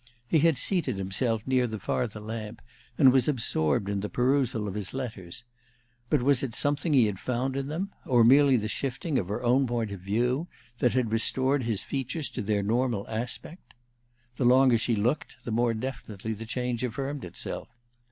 He had seated himself near the farther lamp, and was absorbed in the perusal of his letters; but was it something he had found in them, or merely the shifting of her own point of view, that had restored his features to their normal aspect? The longer she looked, the more definitely the change affirmed itself.